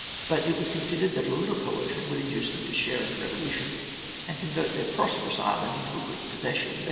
But it was considered that a little coercion would induce them to share in the Revolution and convert their prosperous island into a Greek possession.